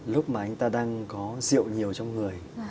lúc mà anh ta đang có rượu nhiều trong người